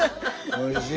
おいしい！